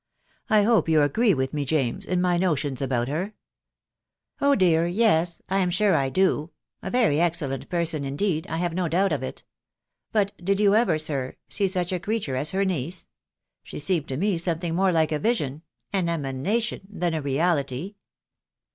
I hope you agree with me, James, in my notions about her !"" Oh, dear ! yes. ... I am sure 1 do .... a very excellent person, indeed, I have no doubt of it. ... But did you ever, sir, see such a creature as her niece? She seemed to me something more like a vision — an emanation — than a reality."